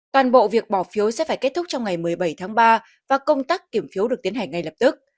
toàn bộ việc bỏ phiếu sẽ phải kết thúc trong ngày một mươi bảy tháng ba và công tác kiểm phiếu được tiến hành ngay lập tức